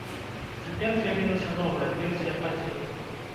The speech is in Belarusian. Цяпер з'явілася новая версія падзеяў.